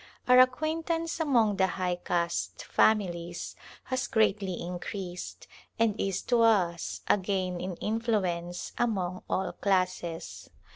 Our ac quaintance among the high caste families has greatly increased and is to us a gain in influence among all classes.